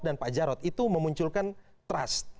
dan pak jarod itu memunculkan trust